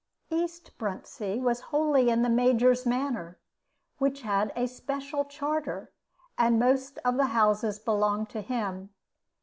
East Bruntsea was wholly in the Major's manor, which had a special charter; and most of the houses belonged to him.